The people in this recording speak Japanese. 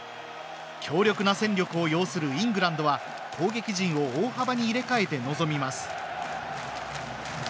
強力な戦力を擁するイングランドは攻撃陣を大幅に入れ替えて臨みます。